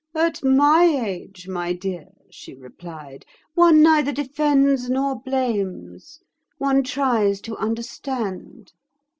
'At my age, my dear,' she replied, 'one neither defends nor blames; one tries to understand.